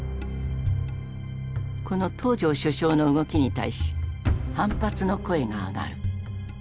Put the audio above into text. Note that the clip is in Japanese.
この東條首相の動きに対し反発の声が上がる。